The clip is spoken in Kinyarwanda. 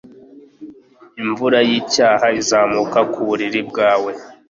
imvura yicyaha izamuka ku buriri bwawe